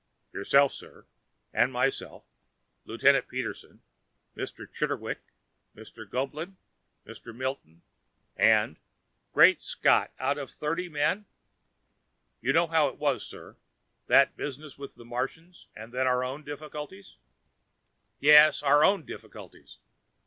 "Yourself, sir, and myself; Lieutenant Peterson, Mr. Chitterwick, Mr. Goeblin, Mr. Milton and...." "Great scott, out of thirty men?" "You know how it was, sir. That business with the Martians and then, our own difficulties " "Yes. Our own difficulties.